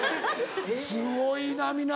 すごいな皆。